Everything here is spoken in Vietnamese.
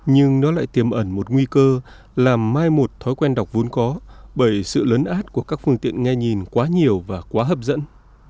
nhưng nó lại tiềm ẩn một nguy cơ làm mai một thói quen đọc vốn có bởi sự lớn át của các phương tiện nghe nhìn quá nhiều và quá hấp dẫn